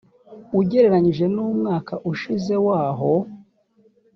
ugereranyije n umwaka ushize wa aho